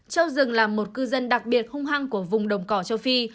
châu rừng là một cư dân đặc biệt hung hăng của vùng đồng cỏ châu phi